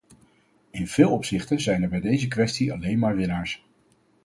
In veel opzichten zijn er bij deze kwestie alleen maar winnaars.